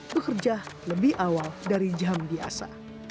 bekerja lebih awal dari jam biasa